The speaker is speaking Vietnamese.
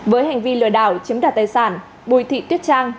với hành vi lừa đảo chiếm đoạt tài sản bùi thị tuyết trang